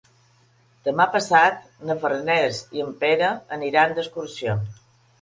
Demà passat na Farners i en Pere aniran d'excursió.